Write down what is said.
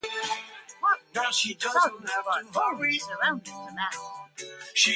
Hart Massey's sons bought homes surrounding the manor.